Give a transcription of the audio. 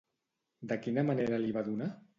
De quina manera li va donar?